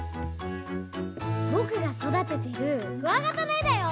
ぼくがそだててるクワガタのえだよ！